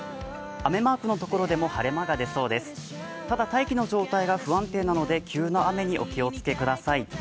雨マークのところでも晴れ間が出そうです、大気の状態が不安定なので急な雨にお気をつけください。